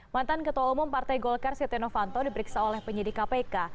mantan ketua umum partai golkar setia novanto diperiksa oleh penyidik kpk